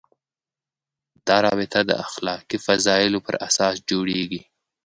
دا رابطه د اخلاقي فضایلو پر اساس جوړېږي.